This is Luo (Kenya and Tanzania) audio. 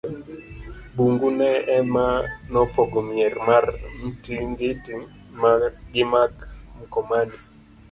bungu ni ema nopogo mier mar Mtingiti gi mar Mkomani